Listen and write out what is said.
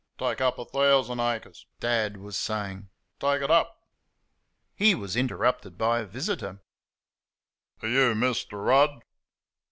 "Take up a thousand acres," Dad was saying; "take it up " He was interrupted by a visitor. "Are you Mister Rudd?"